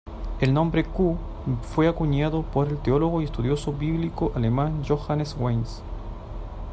El nombre Q fue acuñado por el teólogo y estudioso bíblico alemán Johannes Weiss.